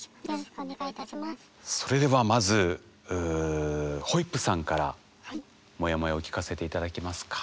それではまずホイップさんからモヤモヤを聞かせて頂けますか。